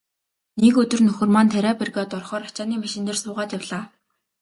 Нэг өдөр нөхөр маань тариа бригад орохоор ачааны машин дээр суугаад явлаа.